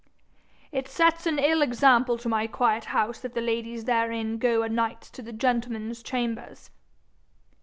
'It sets an ill example to my quiet house if the ladies therein go anights to the gentlemen's chambers.'